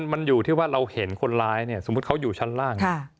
มันอยู่ที่ว่าเราเห็นคนร้ายเนี่ยสมมุติเขาอยู่ชั้นล่าง